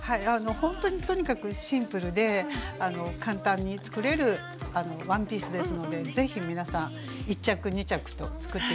ほんとにとにかくシンプルで簡単に作れるワンピースですので是非皆さん１着２着と作って頂きたいと思います。